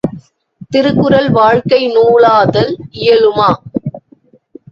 திருக்குறள் வாழ்க்கை நூலாதல் இயலுமா?